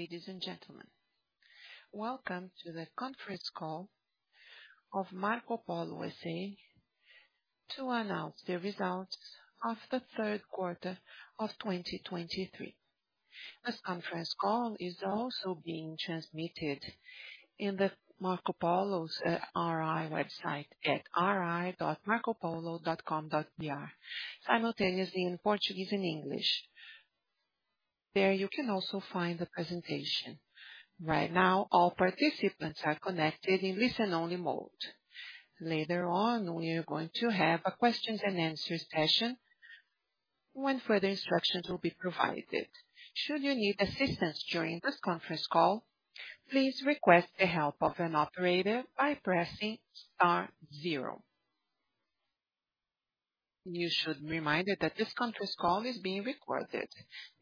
Good morning, ladies and gentlemen. Welcome to the conference call of Marcopolo SA to announce the results of the third quarter of 2023. This conference call is also being transmitted in the Marcopolo's RI website at ri.marcopolo.com.br, simultaneously in Portuguese and English. There you can also find the presentation. Right now, all participants are connected in listen-only mode. Later on, we are going to have a questions and answers session when further instructions will be provided. Should you need assistance during this conference call, please request the help of an operator by pressing star zero. You should be reminded that this conference call is being recorded.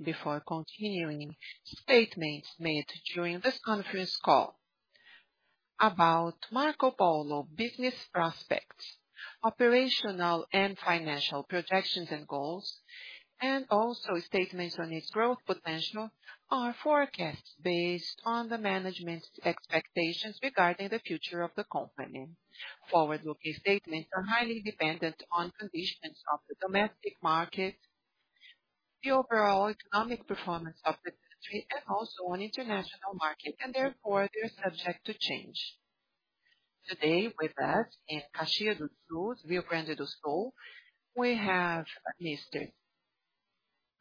Before continuing, statements made during this conference call about Marcopolo business prospects, operational and financial projections and goals, and also statements on its growth potential, are forecasts based on the management's expectations regarding the future of the company. Forward-looking statements are highly dependent on conditions of the domestic market, the overall economic performance of the country, and also on international market, and therefore, they are subject to change. Today, with us, in Caxias do Sul, Rio Grande do Sul, we have Mr.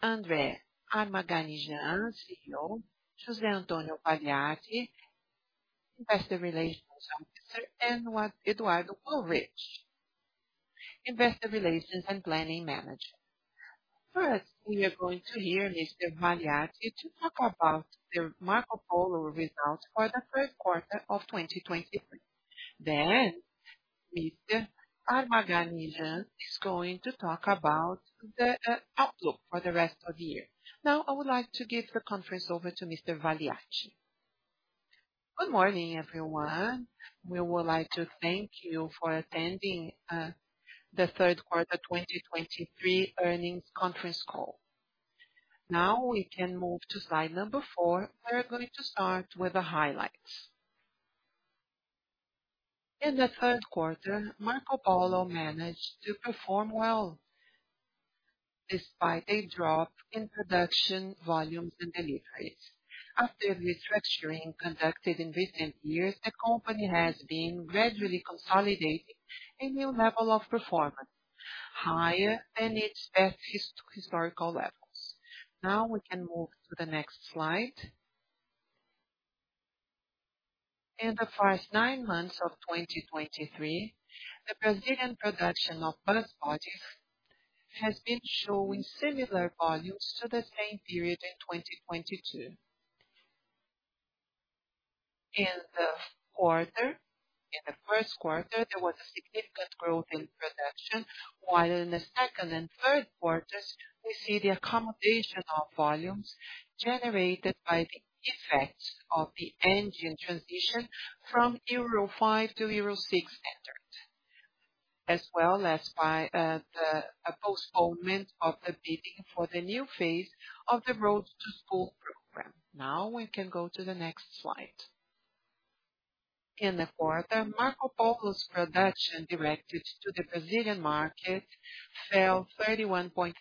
André Armaganijan, CEO, José Antonio Valiati, Investor Relations Officer, and Eduardo Willrich, Investor Relations and Planning Manager. First, we are going to hear Mr. Valiati to talk about the Marcopolo results for the first quarter of 2023. Then, Mr. Armaganijan is going to talk about the, outlook for the rest of the year. Now, I would like to give the conference over to Mr. Valiati. Good morning, everyone. We would like to thank you for attending, the third quarter 2023 earnings conference call. Now, we can move to slide number 4. We are going to start with the highlights. In the third quarter, Marcopolo managed to perform well, despite a drop in production, volumes and deliveries. After restructuring conducted in recent years, the company has been gradually consolidating a new level of performance, higher than its best historical levels. Now, we can move to the next slide. In the first nine months of 2023, the Brazilian production of bus bodies has been showing similar volumes to the same period in 2022. In the first quarter, there was a significant growth in production, while in the second and third quarters, we see the accommodation of volumes generated by the effects of the engine transition from Euro V to Euro VI standards, as well as by a postponement of the bidding for the new phase of the Road to School program. Now, we can go to the next slide. In the quarter, Marcopolo's production directed to the Brazilian market fell 31.3%.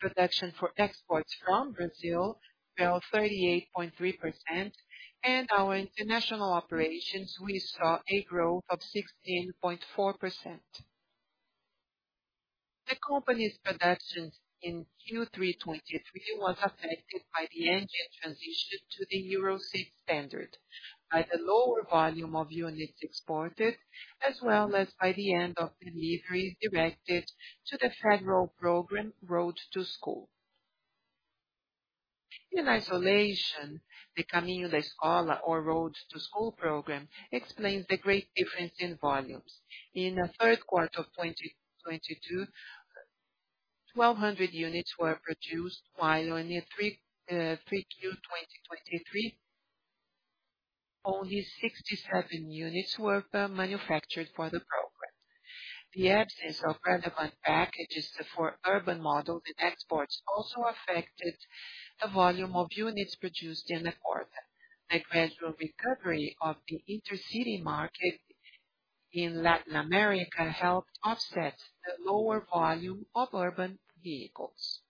Production for exports from Brazil fell 38.3%, and our international operations, we saw a growth of 16.4%. The company's production in Q3 2023 was affected by the engine transition to the Euro VI standard, by the lower volume of units exported, as well as by the end of deliveries directed to the federal program, Road to School. In isolation, the Caminho da Escola or Road to School program explains the great difference in volumes. In the third quarter of 2022, 1,200 units were produced, while only three, 3Q 2023, only 67 units were manufactured for the program. The absence of relevant packages for urban model and exports also affected the volume of units produced in the quarter. A gradual recovery of the intercity market in Latin America helped offset the lower volume of urban vehicles.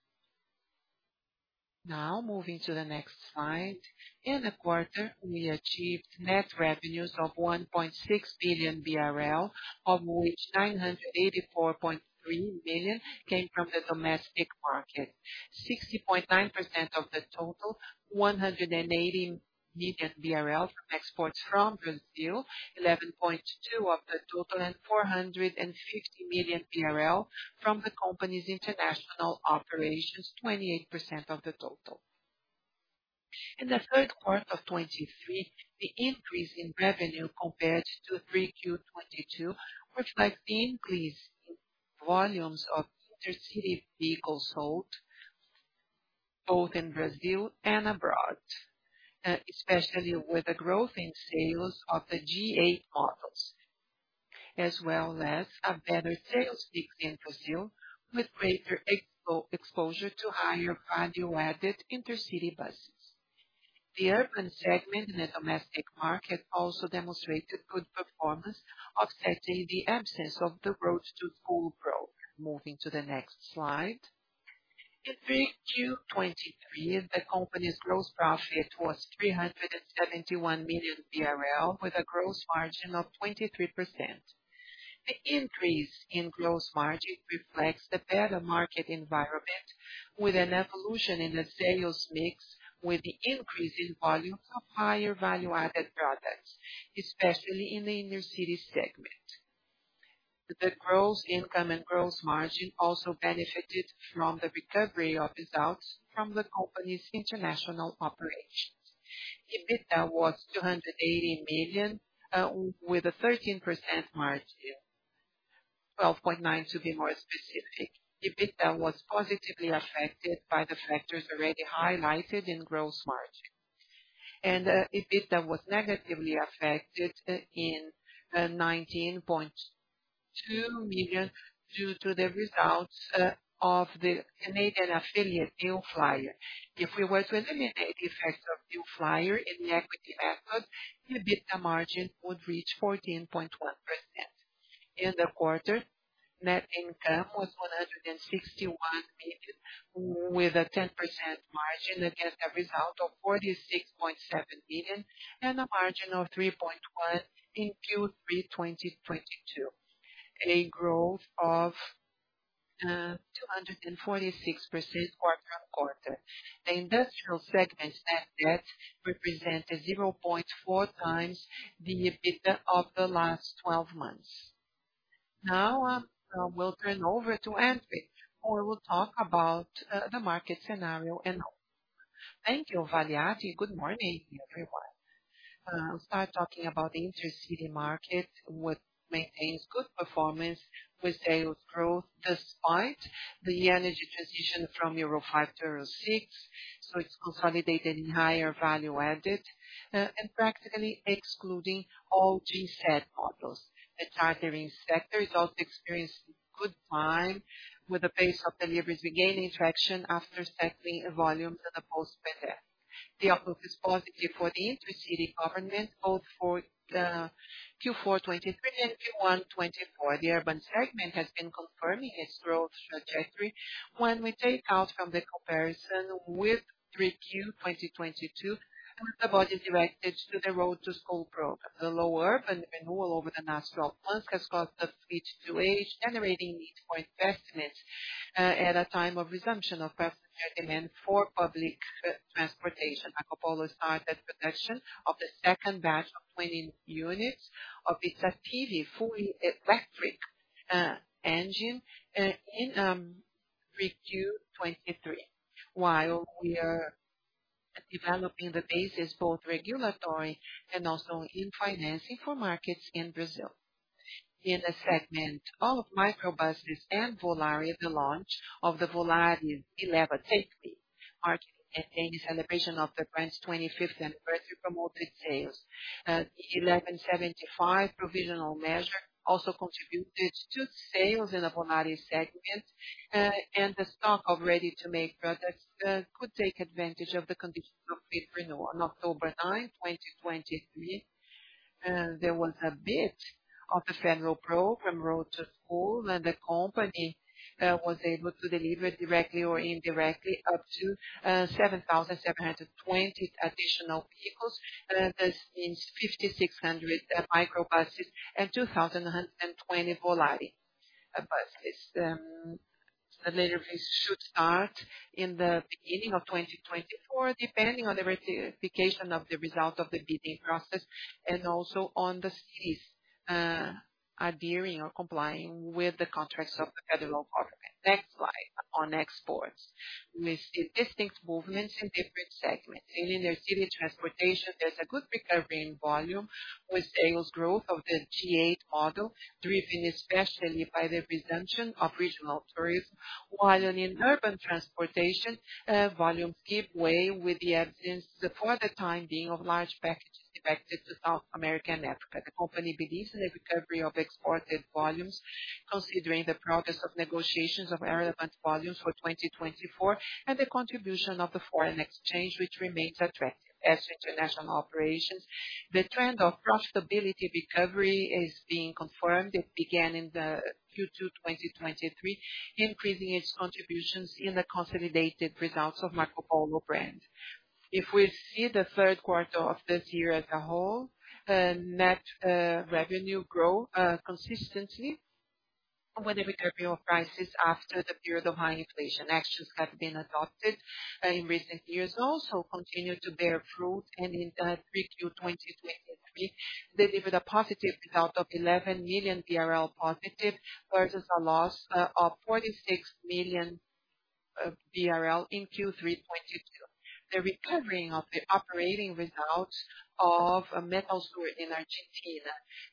Now, moving to the next slide. In the quarter, we achieved net revenues of 1.6 billion BRL, of which 984.3 million came from the domestic market. 60.9% of the total, 180 million BRL from exports from Brazil, 11.2% of the total, and 450 million BRL from the company's international operations, 28% of the total. In the third quarter of 2023, the increase in revenue compared to 3Q 2022 reflects the increase in volumes of intercity vehicles sold, both in Brazil and abroad, especially with the growth in sales of the G8 models as well as a better sales mix in Brazil, with greater exposure to higher value added intercity buses. The urban segment in the domestic market also demonstrated good performance, offsetting the absence of the Road to School program. Moving to the next slide. In 3Q 2023, the company's gross profit was 371 million BRL, with a gross margin of 23%. The increase in gross margin reflects the better market environment, with an evolution in the sales mix, with the increase in volume of higher value-added products, especially in the intercity segment. The gross income and gross margin also benefited from the recovery of results from the company's international operations. EBITDA was 280 million with a 13% margin, 12.9, to be more specific. EBITDA was positively affected by the factors already highlighted in gross margin. EBITDA was negatively affected by 19.2 million, due to the results of the Canadian affiliate, New Flyer. If we were to eliminate the effects of New Flyer in the equity method, the EBITDA margin would reach 14.1%. In the quarter, net income was 161 million, with a 10% margin against a result of 46.7 billion and a margin of 3.1% in Q3 2022. A growth of 246% quarter-on-quarter. The industrial segment's net debt represented 0.4 times the EBITDA of the last twelve months. Now, I will turn over to André, who will talk about the market scenario and all. Thank you, Valiati. Good morning, everyone. I'll start talking about the intercity market, which maintains good performance with sales growth despite the energy transition from Euro V to Euro VI, so it's consolidated in higher value added, and practically excluding all G8 models. The chartering sector is also experiencing good times, with the pace of deliveries regaining traction after setting a volume in the post-pandemic. The outlook is positive for the intercity segment, both for Q4 2023 and Q1 2024. The urban segment has been confirming its growth trajectory when we take out from the comparison with 3Q 2022, with the bodies directed to the Road to School program. The lower urban renewal over the national plans has caused a fleet to age, generating need for investment, at a time of resumption of passenger demand for public transportation. Marcopolo started production of the second batch of 20 units of its Attivi, fully electric, engine, in Q3 2023. While we are developing the bases, both regulatory and also in financing for markets in Brazil. In the segment of microbuses and Volare, the launch of the Volare Attack, marking and paying celebration of the brand's 25th anniversary, promoted sales. Provisional Measure 1175 also contributed to sales in the Volare segment, and the stock of ready-to-make products, could take advantage of the conditions of fleet renewal. On October 9, 2023, there was a bid of the federal program, Road to School, and the company, was able to deliver directly or indirectly, up to, 7,720 additional vehicles. This means 5,600, microbuses and 2,120 Volare, buses. The deliveries should start in the beginning of 2024, depending on the ratification of the result of the bidding process, and also on the cities, adhering or complying with the contracts of the federal government. Next slide on exports. We see distinct movements in different segments. In intercity transportation, there's a good recovery in volume, with sales growth of the G8 model, driven especially by the resumption of regional tourism. While in urban transportation, volumes give way with the absence, for the time being, of large packages directed to South America and Africa. The company believes in the recovery of exported volumes, considering the progress of negotiations of relevant volumes for 2024, and the contribution of the foreign exchange, which remains attractive. As international operations, the trend of profitability recovery is being confirmed. It began in Q2 2023, increasing its contributions in the consolidated results of Marcopolo brand. If we see the third quarter of this year as a whole, the net revenue grow consistently with the recovery of prices after the period of high inflation. Actions have been adopted in recent years also continue to bear fruit, and in Q3 2023 delivered a positive result of 11 million positive, versus a loss of 46 million BRL in Q3 2022. The recovering of the operating results of Metalsur in Argentina,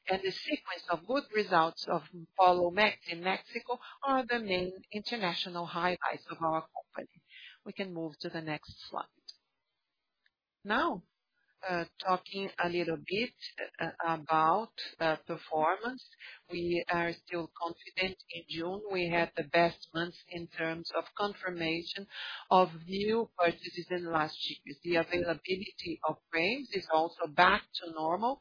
and the sequence of good results of Polomex in Mexico, are the main international highlights of our company. We can move to the next slide. Now, talking a little bit about the performance, we are still confident. In June, we had the best months in terms of confirmation of new purchases in last gap. The availability of frames is also back to normal,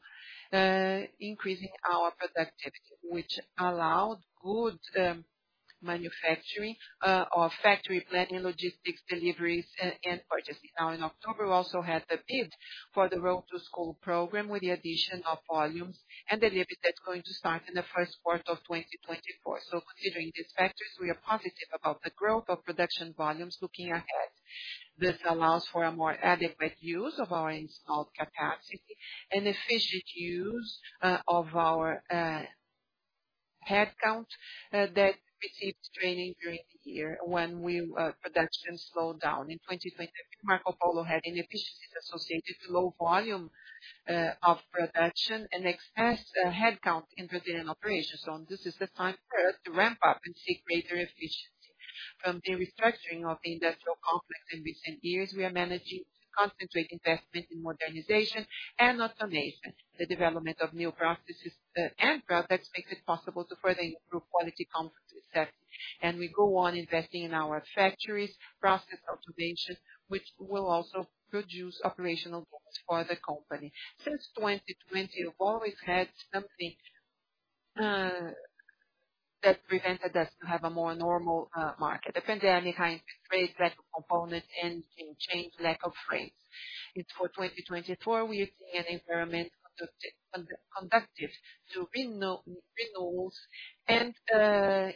increasing our productivity, which allowed good manufacturing or factory planning, logistics, deliveries, and purchases. Now in October, we also had the bid for the Road to School program, with the addition of volumes and the delivery that's going to start in the first quarter of 2024. So considering these factors, we are positive about the growth of production volumes looking ahead. This allows for a more adequate use of our installed capacity and efficient use of our headcount that received training during the year when production slowed down. In 2023, Marcopolo had inefficiencies associated with low volume of production and excess headcount in Brazilian operations. So this is the time for us to ramp up and seek greater efficiency. From the restructuring of the industrial complex in recent years, we are managing to concentrate investment in modernization and automation. The development of new processes and products makes it possible to further improve quality, comfort, and safety. We go on investing in our factories, process automation, which will also produce operational gains for the company. Since 2020, we've always had something that prevented us to have a more normal market. The pandemic raised that component and in change, lack of frames. For 2024, we are seeing an environment conducive to renewals and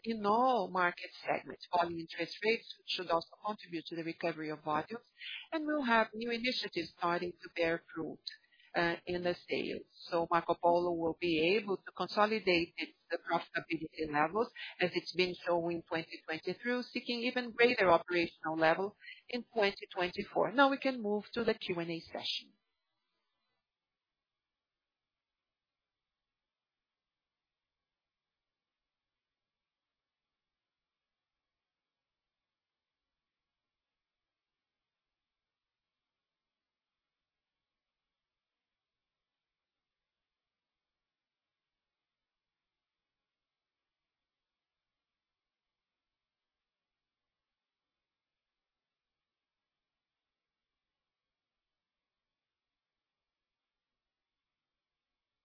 in all market segments. Lower interest rates should also contribute to the recovery of volumes, and we'll have new initiatives starting to bear fruit in the sales. Marcopolo will be able to consolidate its, the profitability levels, as it's been shown in 2023, seeking even greater operational level in 2024. Now we can move to the Q&A session.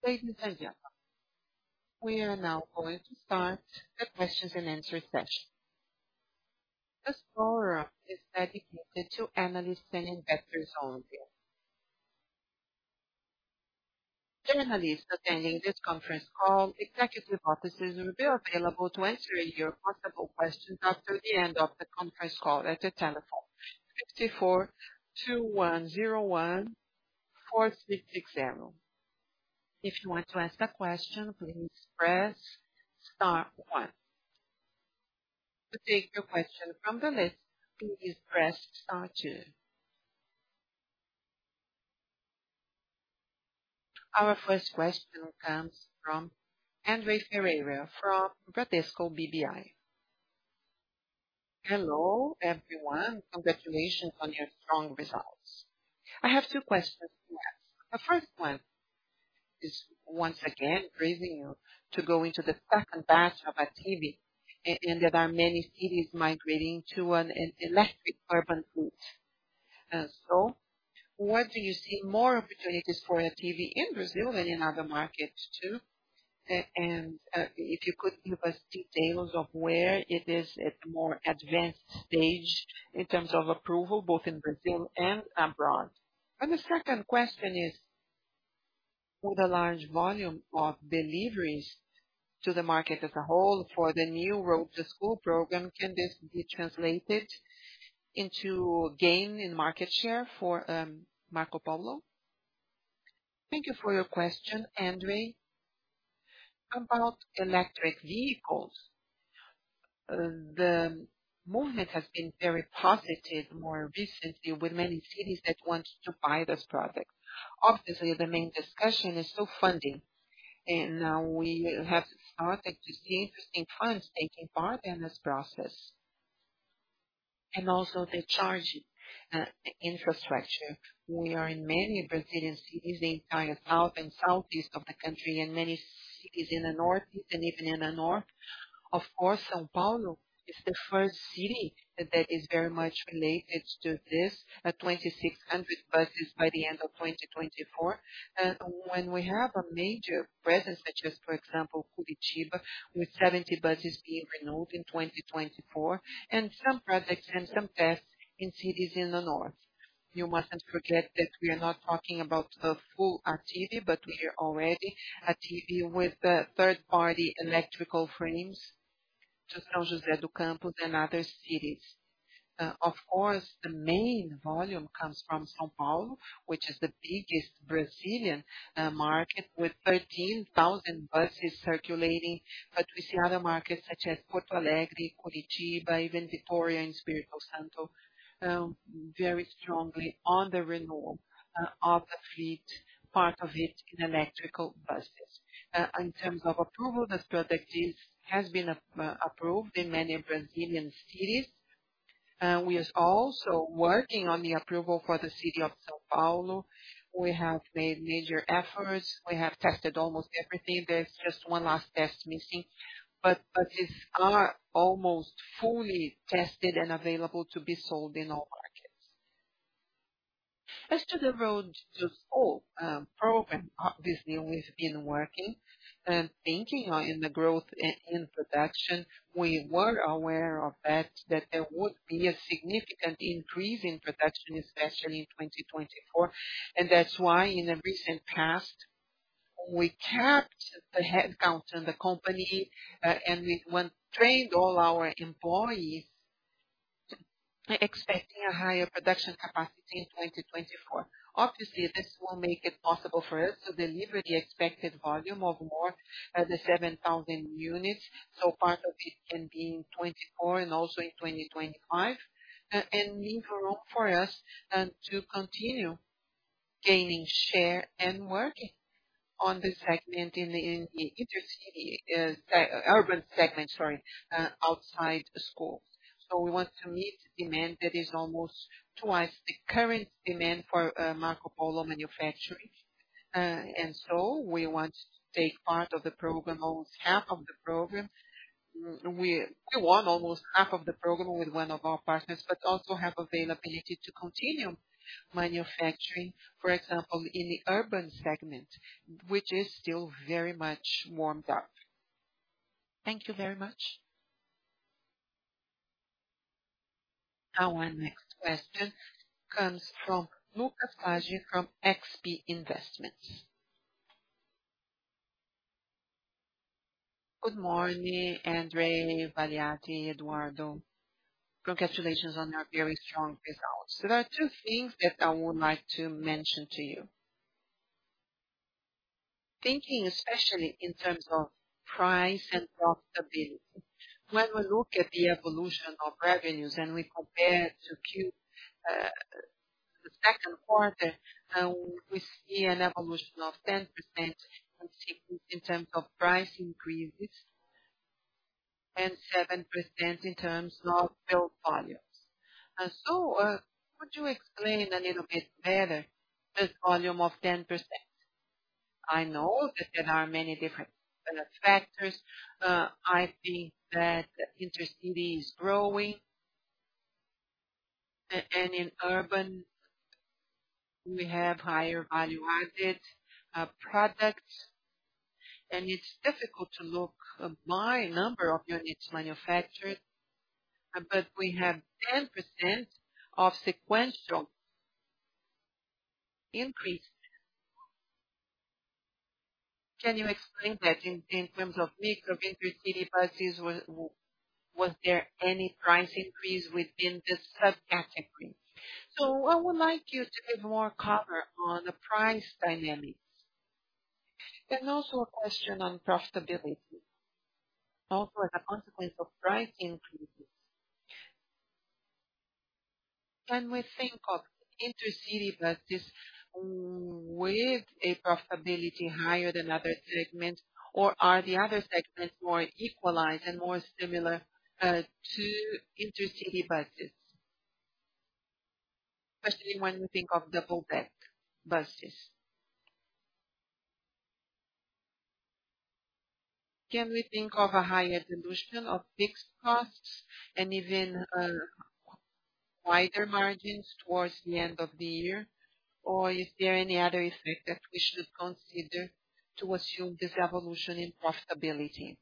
Ladies and gentlemen, we are now going to start the questions and answer session. This forum is dedicated to analysts and investors only. Analysts attending this conference call, executive offices will be available to answer your possible questions after the end of the conference call at the telephone 54-2101-4660. If you want to ask a question, please press star one. To take your question from the list, please press star two. Our first question comes from André Ferreira, from Bradesco BBI. Hello, everyone. Congratulations on your strong results. I have two questions to ask. The first one is, once again, praising you to go into the second batch of Attivi, and there are many cities migrating to an electric urban route. So where do you see more opportunities for Attivi in Brazil than in other markets, too? And, if you could give us details of where it is at a more advanced stage in terms of approval, both in Brazil and abroad. And the second question is: with a large volume of deliveries to the market as a whole for the new Road to School program, can this be translated into gain in market share for, Marcopolo? Thank you for your question, Andre. About electric vehicles, the movement has been very positive more recently with many cities that want to buy this product. Obviously, the main discussion is still funding, and we have started to see interesting clients taking part in this process, and also the charging infrastructure. We are in many Brazilian cities, the entire south and southeast of the country, and many cities in the north and even in the north. Of course, São Paulo is the first city that is very much related to this, 2,600 buses by the end of 2024. And when we have a major presence, such as, for example, Curitiba, with 70 buses being renewed in 2024, and some projects and some tests in cities in the north. You mustn't forget that we are not talking about a full activity, but we are already active with the third-party electrical frames to São José dos Campos and other cities. Of course, the main volume comes from São Paulo, which is the biggest Brazilian market, with 13,000 buses circulating. But we see other markets, such as Porto Alegre, Curitiba, even Vitória and Espírito Santo, very strongly on the renewal of the fleet, part of it in electrical buses. In terms of approval, this product has been approved in many Brazilian cities. We are also working on the approval for the city of São Paulo. We have made major efforts. We have tested almost everything. There's just one last test missing, but these are almost fully tested and available to be sold in all markets. As to the Road to School program, obviously, we've been working and thinking on the growth in production. We were aware of that, that there would be a significant increase in production, especially in 2024, and that's why, in the recent past, we capped the headcount in the company, and we trained all our employees, expecting a higher production capacity in 2024. Obviously, this will make it possible for us to deliver the expected volume of more as the 7,000 units, so part of it can be in 2024 and also in 2025. And leaving room for us to continue gaining share and working on the segment in the intercity urban segment, sorry, outside the schools. So we want to meet demand that is almost twice the current demand for Marcopolo manufacturing. And so we want to take part of the program, almost half of the program. We, we won almost half of the program with one of our partners, but also have availability to continue manufacturing, for example, in the urban segment, which is still very much warmed up. Thank you very much. Our next question comes from Lucas Laghi from XP Investments. Good morning, Andre, Valiati, Eduardo. Congratulations on your very strong results. There are two things that I would like to mention to you. Thinking, especially in terms of price and profitability, when we look at the evolution of revenues and we compare to Q, the second quarter, we see an evolution of 10% in terms of price increases and 7% in terms of total volumes. And so, could you explain a little bit better this volume of 10%? I know that there are many different factors. I think that intercity is growing. And in urban, we have higher value-added products, and it's difficult to look by number of units manufactured, but we have 10% sequential increase. Can you explain that in terms of mix of intercity buses? Was there any price increase within this subcategory? So I would like you to give more color on the price dynamics, and also a question on profitability, also as a consequence of price increases. Can we think of intercity buses with a profitability higher than other segments, or are the other segments more equalized and more similar to intercity buses? Especially when you think of double-deck buses. Can we think of a higher dilution of fixed costs and even wider margins towards the end of the year? Or is there any other effect that we should consider to assume this evolution in profitability?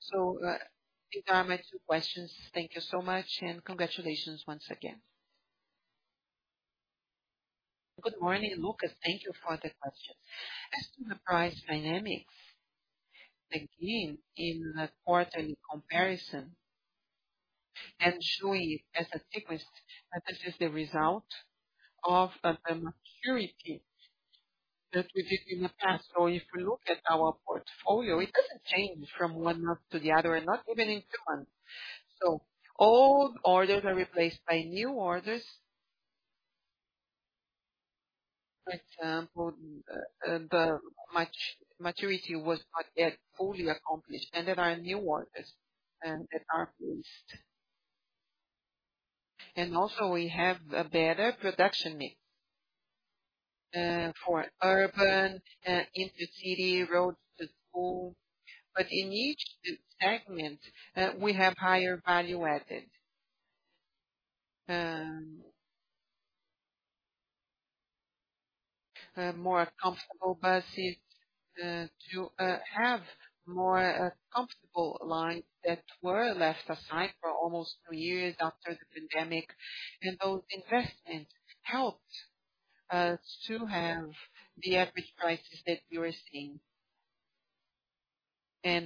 So, these are my two questions. Thank you so much, and congratulations once again. Good morning, Lucas. Thank you for the question. As to the price dynamics, again, in the quarterly comparison, and showing as a sequence, that this is the result of the maturity that we did in the past. So if you look at our portfolio, it doesn't change from one month to the other, and not even in two months. So all orders are replaced by new orders. For example, the maturity was not yet fully accomplished, and there are new orders that are placed. And also, we have a better production mix for urban, intercity, Road to School. But in each segment, we have higher value added. More comfortable buses to have more comfortable lines that were left aside for almost two years after the pandemic. Those investments helped to have the average prices that we are seeing. As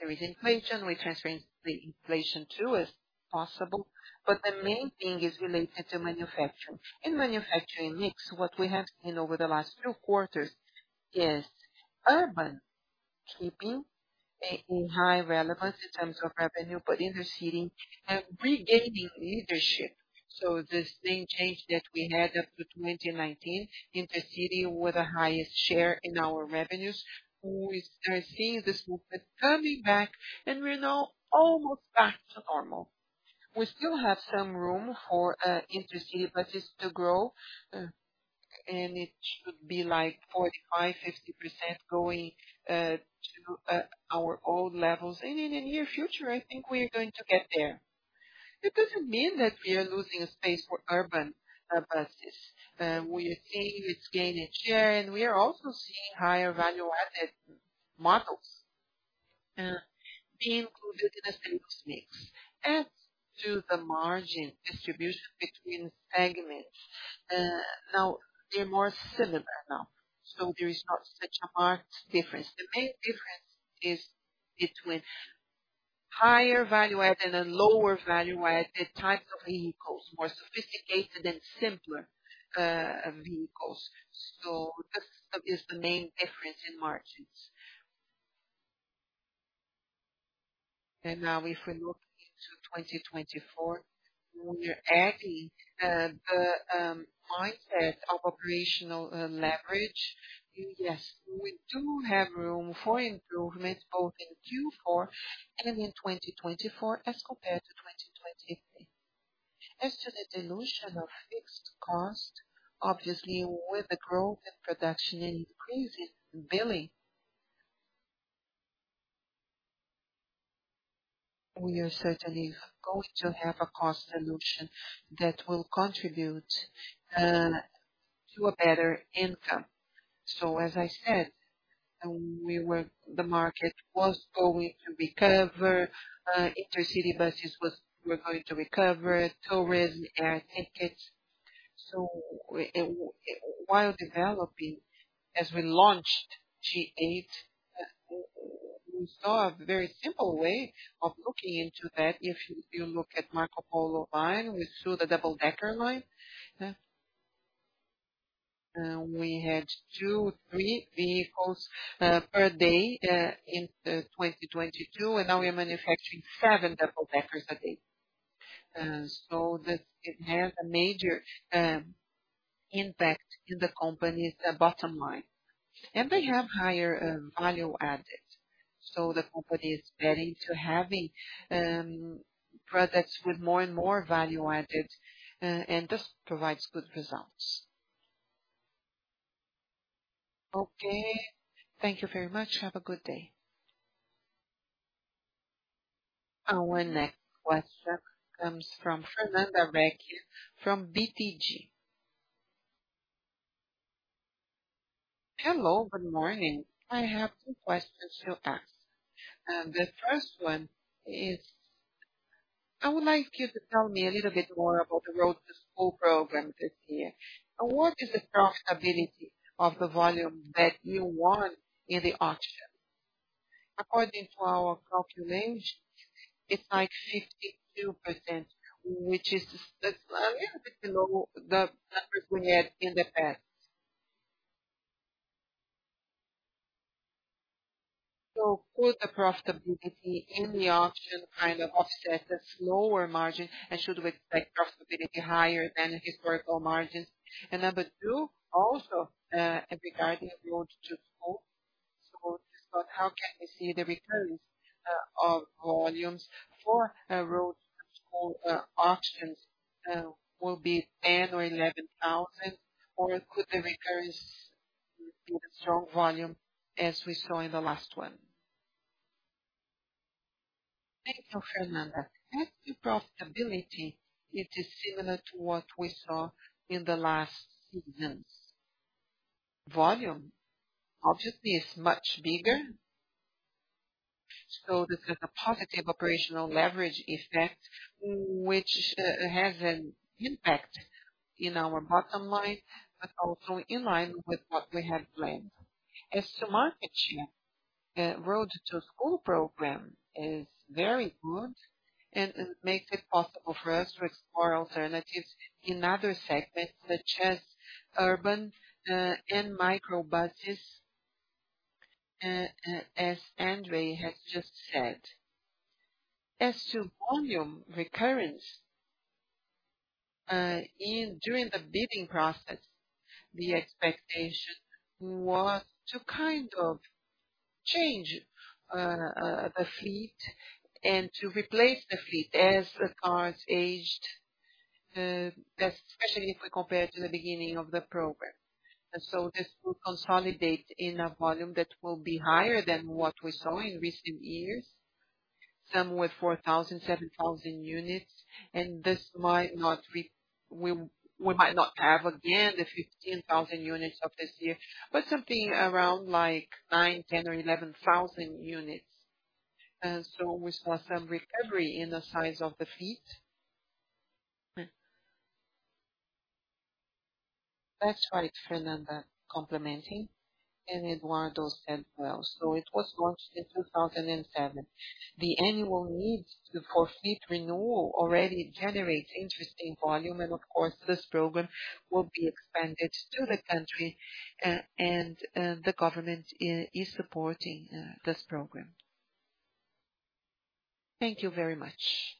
there is inflation, we transfer the inflation too, as possible. But the main thing is related to manufacturing. In manufacturing mix, what we have seen over the last two quarters is urban keeping in high relevance in terms of revenue, but intercity regaining leadership. So this thing change that we had up to 2019, intercity were the highest share in our revenues, we're seeing this group coming back, and we're now almost back to normal. We still have some room for intercity buses to grow, and it should be like 45%-50% going to our old levels. In the near future, I think we're going to get there. It doesn't mean that we are losing space for urban buses. We are seeing it's gaining share, and we are also seeing higher value-added models being included in the sales mix. As to the margin distribution between segments, now they're more similar now, so there is not such a hard difference. The main difference is between higher value-added and lower value-added types of vehicles, more sophisticated and simpler vehicles. So this is the main difference in margins. Now, if we look into 2024, we are adding the mindset of operational leverage. Yes, we do have room for improvement both in Q4 and in 2024 as compared to 2023. As to the dilution of fixed cost, obviously, with the growth in production and increase in billing, we are certainly going to have a cost dilution that will contribute to a better income. So as I said, the market was going to recover, intercity buses was, were going to recover, tourism, air tickets. So while developing, as we launched G8, we saw a very simple way of looking into that. If you look at Marcopolo line, we saw the double-decker line. We had two, three vehicles per day in 2022, and now we are manufacturing seven double-deckers a day. So this, it has a major impact in the company's bottom line, and they have higher value added. So the company is betting to having products with more and more value added, and this provides good results. Okay. Thank you very much. Have a good day. Our next question comes from Fernanda Recchia, from BTG. Hello, good morning. I have two questions to ask. The first one is I would like you to tell me a little bit more about the Road to School program this year, and what is the profitability of the volume that you won in the auction? According to our calculations, it's like 52%, which is a little bit below the numbers we had in the past. So could the profitability in the auction kind of offset the slower margin, and should we expect profitability higher than historical margins? And number two, also, regarding Road to School, so but how can we see the recurrence of volumes for Road to School auctions will be 10 or 11 thousand, or could the recurrence be a strong volume, as we saw in the last one? Thank you, Fernanda. At the profitability, it is similar to what we saw in the last six months. Volume, obviously, is much bigger. So this is a positive operational leverage effect, which has an impact in our bottom line, but also in line with what we had planned. As to market share, Road to School program is very good and makes it possible for us to explore alternatives in other segments, such as urban and micro buses, as Andre has just said. As to volume recurrence, during the bidding process, the expectation was to kind of change the fleet and to replace the fleet as the cars aged, especially if we compare to the beginning of the program. So this will consolidate in a volume that will be higher than what we saw in recent years, somewhere 4,000-7,000 units, and this might not be—we might not have again the 15,000 units of this year, but something around like nine, 10 or 11,000 units. And so we saw some recovery in the size of the fleet. That's right, Fernanda. Complementing, and Eduardo said well. So it was launched in 2007. The annual needs for fleet renewal already generates interesting volume, and of course, this program will be expanded to the country, and the government is supporting this program. Thank you very much.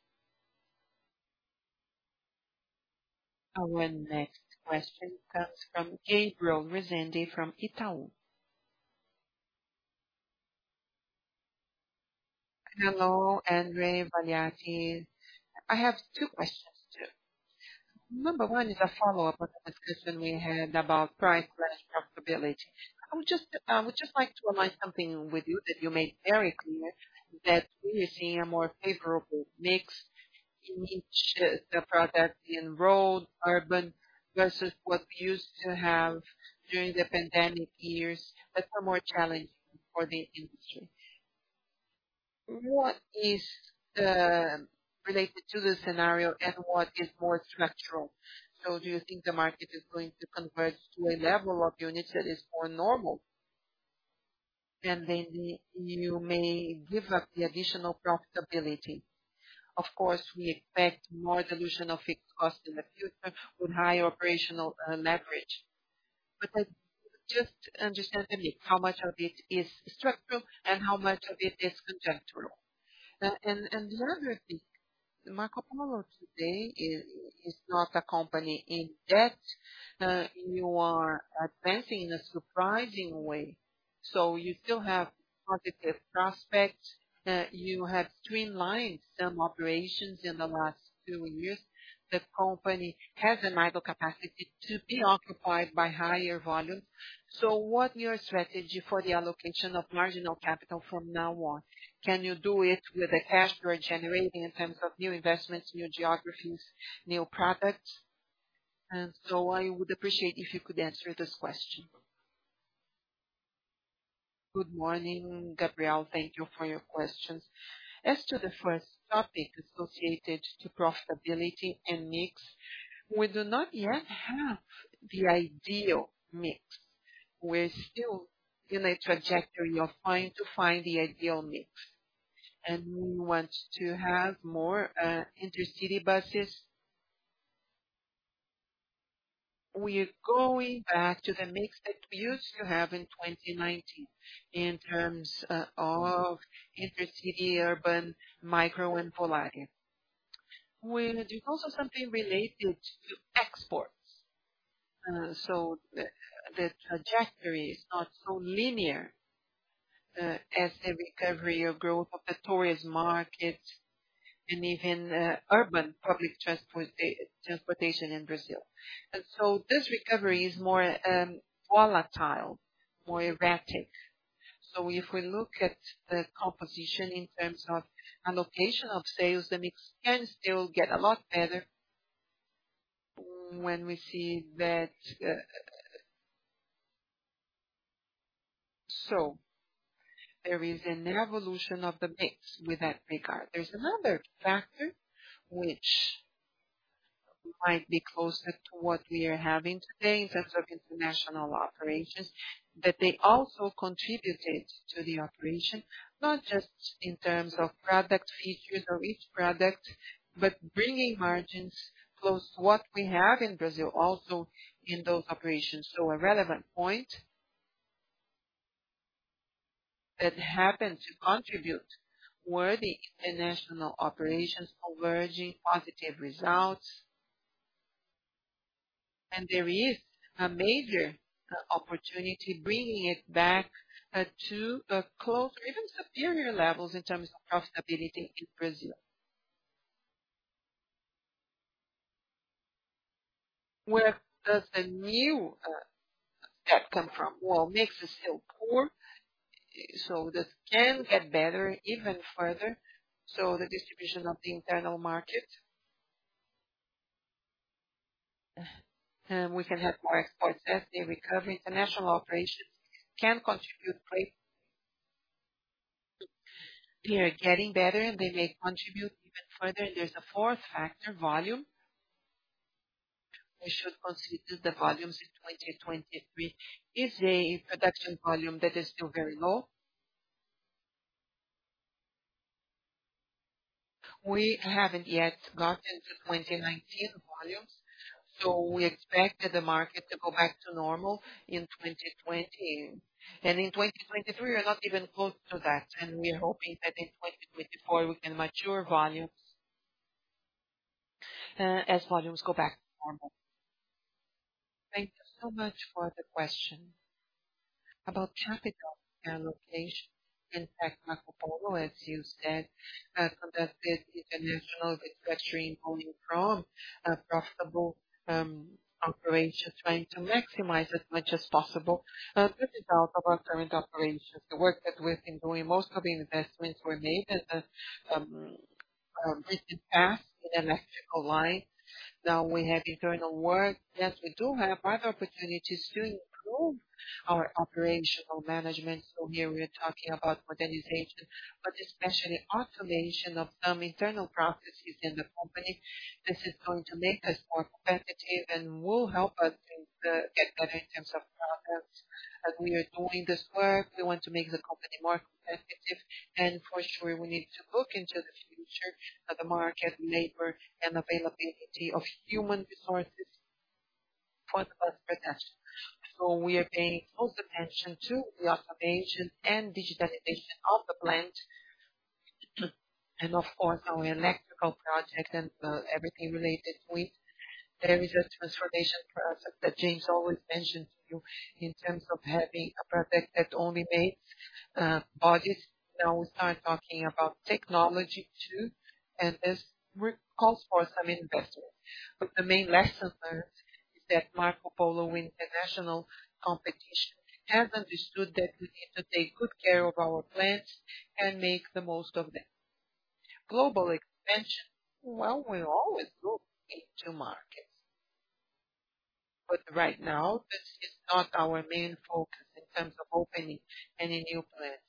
Our next question comes from Gabriel Rezende, from Itaú. Hello, André, Mariatti. I have two questions too. Number one is a follow-up on the discussion we had about price less profitability. I would just like to align something with you that you made very clear, that we are seeing a more favorable mix in each the product in road, urban, versus what we used to have during the pandemic years, but are more challenging for the industry. What is related to the scenario and what is more structural? So do you think the market is going to converge to a level of units that is more normal, and then you may give up the additional profitability? Of course, we expect more dilution of fixed costs in the future with higher operational leverage. But just to understand a bit, how much of it is structural and how much of it is conjunctural? And the other thing, Marcopolo today is not a company in debt. You are advancing in a surprising way, so you still have positive prospects. You have streamlined some operations in the last two years. The company has a marginal capacity to be occupied by higher volume. So what's your strategy for the allocation of marginal capital from now on? Can you do it with the cash you are generating in terms of new investments, new geographies, new products? I would appreciate if you could answer this question. Good morning, Gabriel. Thank you for your questions. As to the first topic associated to profitability and mix, we do not yet have the ideal mix. We're still in a trajectory of trying to find the ideal mix, and we want to have more intercity buses. We are going back to the mix that we used to have in 2019, in terms of intercity, urban, micro, and Volare. We're doing also something related to exports. So the trajectory is not so linear as the recovery or growth of not urban markets and even urban public transportation in Brazil. This recovery is more volatile, more erratic. So if we look at the composition in terms of allocation of sales, the mix can still get a lot better when we see that... So there is an evolution of the mix with that regard. There's another factor which might be closer to what we are having today in terms of international operations, that they also contributed to the operation, not just in terms of product features or each product, but bringing margins close to what we have in Brazil, also in those operations. So a relevant point, that happened to contribute were the international operations converging positive results. And there is a major opportunity, bringing it back, to close or even superior levels in terms of profitability to Brazil. Where does the new step come from? Well, mix is still poor, so this can get better even further. So the distribution of the internal market. We can have more exports as the recovery, international operations can contribute great. They are getting better, and they may contribute even further. There's a fourth factor, volume. We should consider the volumes in 2023 is a production volume that is still very low. We haven't yet gotten to 2019 volumes, so we expected the market to go back to normal in 2020. And in 2023, we're not even close to that, and we are hoping that in 2024, we can mature volumes, as volumes go back to normal. Thank you so much for the question. About capital allocation. In fact, Marcopolo, as you said, conducted international restructuring, only from a profitable operation, trying to maximize as much as possible. Good results of our current operations, the work that we've been doing, most of the investments were made in the past, in electrical line. Now we have internal work. Yes, we do have other opportunities to improve our operational management. So here we are talking about modernization, but especially automation of some internal processes in the company. This is going to make us more competitive and will help us in get better in terms of products. As we are doing this work, we want to make the company more competitive. And for sure, we need to look into the future of the market, labor, and availability of human resources for the best production. So we are paying close attention to the automation and digitalization of the plant, and of course, our electrical project and everything related to it. There is a transformation process that James always mentions to you in terms of having a project that only makes bodies. Now, we start talking about technology, too, and this requires some investment. But the main lesson learned is that Marcopolo international corporation has understood that we need to take good care of our plants and make the most of them. Global expansion, well, we always look into markets. But right now, this is not our main focus in terms of opening any new plants.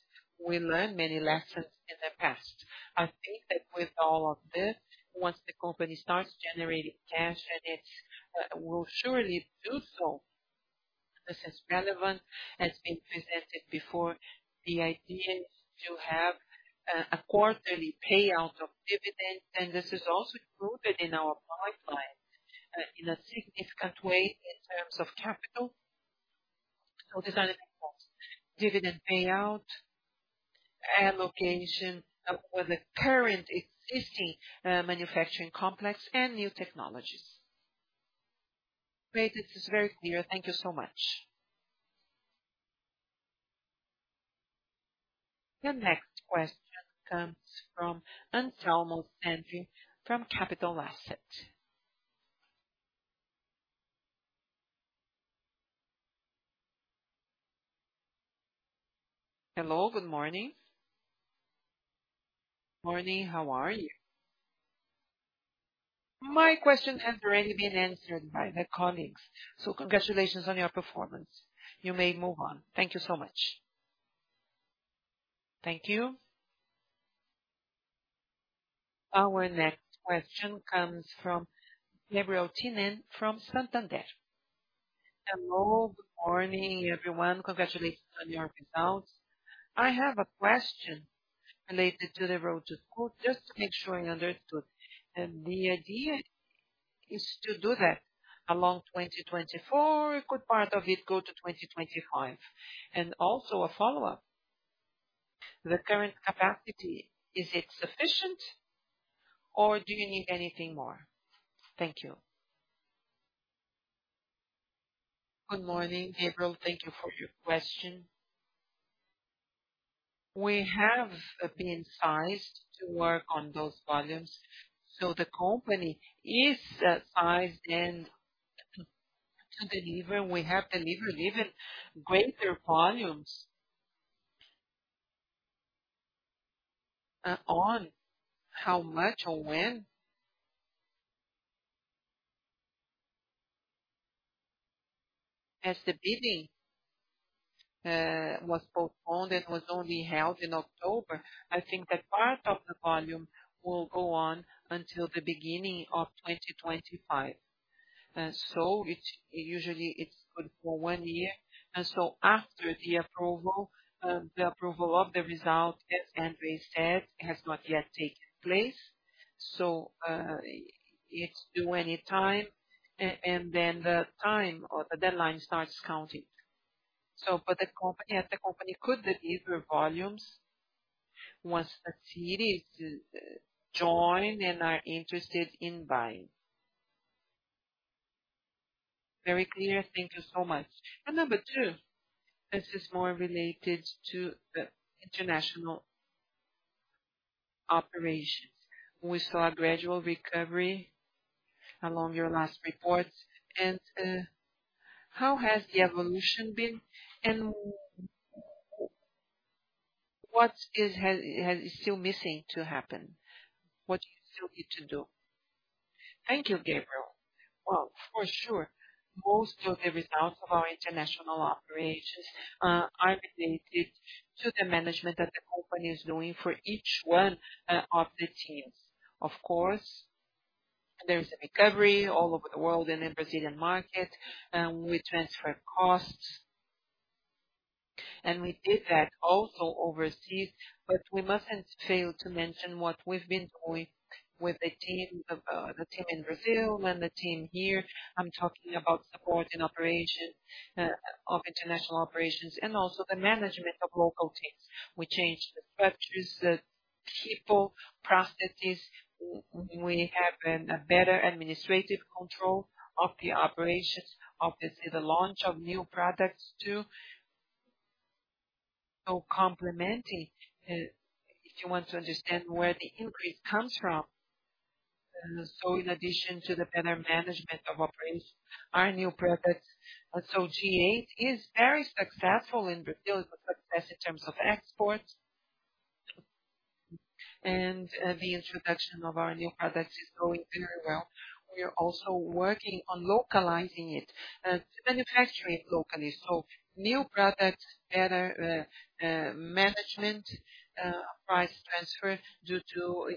We learned many lessons in the past. I think that with all of this, once the company starts generating cash and it will surely do so. This is relevant, has been presented before. The idea is to have a quarterly payout of dividends, and this is also included in our pipeline in a significant way in terms of capital. So this is dividend payout, allocation with the current existing manufacturing complex and new technologies. Great. This is very clear. Thank you so much. The next question comes from Anselmo Sandi from Capital Asset. Hello, good morning. Morning, how are you? My question has already been answered by my colleagues, so congratulations on your performance. You may move on. Thank you so much. Thank you. Our next question comes from Gabriel Tinem from Santander. Hello, good morning, everyone. Congratulations on your results. I have a question related to the road to school, just to make sure I understood. And the idea is to do that along 2024, a good part of it go to 2025. Also a follow-up, the current capacity, is it sufficient, or do you need anything more? Thank you. Good morning, Gabriel. Thank you for your question. We have been sized to work on those volumes, so the company is sized and to deliver. We have delivered even greater volumes. On how much or when? As the bidding was postponed and was only held in October, I think that part of the volume will go on until the beginning of 2025. So it's usually good for one year, and so after the approval, the approval of the result, as André said, has not yet taken place. So, it's due any time, and then the time or the deadline starts counting. So the company could deliver volumes once the cities join and are interested in buying. Very clear. Thank you so much. And number two, this is more related to the international operations. We saw a gradual recovery along your last reports, and, how has the evolution been, and what is still missing to happen? What do you still need to do? Thank you, Gabriel. Well, for sure, most of the results of our international operations are related to the management that the company is doing for each one of the teams. Of course, there is a recovery all over the world and in Brazilian market, and we transfer costs, and we did that also overseas. But we mustn't fail to mention what we've been doing with the team, the team in Brazil and the team here. I'm talking about support and operation of international operations and also the management of local teams. We changed the structures, the people, processes. We have a better administrative control of the operations, obviously, the launch of new products, too. So complementing, if you want to understand where the increase comes from, and so in addition to the better management of operations, our new products, and so G8 is very successful in Brazil, success in terms of exports. And, the introduction of our new products is going very well. We are also working on localizing it to manufacture it locally. So new products, better management, price transfer due to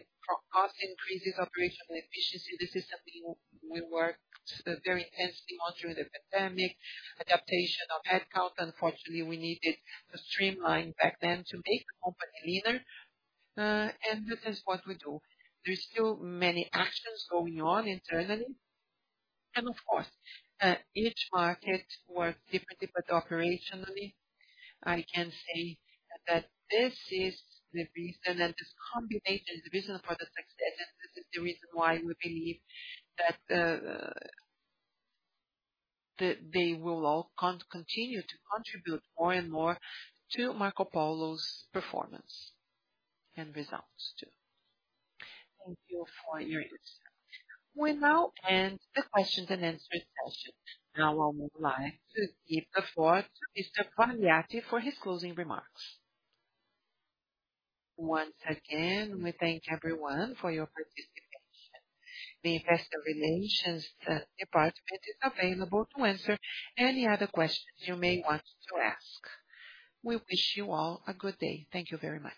cost increases, operational efficiency. This is something we worked very intensely on during the pandemic. Adaptation of headcount, unfortunately, we needed to streamline back then to make the company leaner, and this is what we do. There's still many actions going on internally. Of course, each market works differently, but operationally, I can say that this is the reason and this combination, the reason for the success, and this is the reason why we believe that they will all continue to contribute more and more to Marcopolo's performance and results, too. Thank you for your answer. We now end the questions and answers session. Now I'll move live to give the floor to Mr. Valiati for his closing remarks. Once again, we thank everyone for your participation. The investor relations department is available to answer any other questions you may want to ask. We wish you all a good day. Thank you very much.